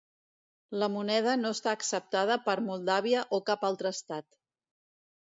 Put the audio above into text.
La moneda no està acceptada per Moldàvia o cap altre estat.